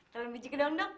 dalam biji kedong dong